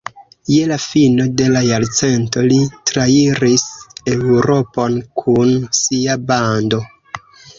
Je la fino de la jarcento li trairis Eŭropon kun sia bando.